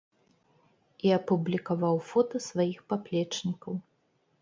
І апублікаваў фота сваіх паплечнікаў.